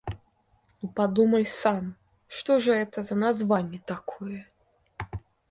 Ну подумай сам, что же это за название такое?